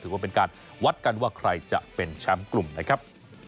วัดกันว่าใครจะเป็นชามกลุ่มนะครับ